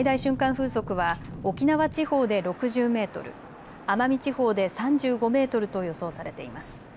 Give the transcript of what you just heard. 風速は沖縄地方で６０メートル、奄美地方で３５メートルと予想されています。